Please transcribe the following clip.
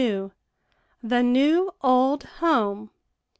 THE NEW OLD HOME.